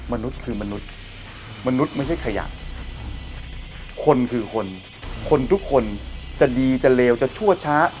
มนุษย์คือมนุษย์มนุษย์ไม่ใช่ขยะคนคือคนคนทุกคนจะดีจะเลวจะชั่วช้า